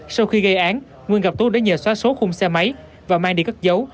sau khi gây án nguyên gặp tú để nhờ xóa số khung xe máy và mang đi các dấu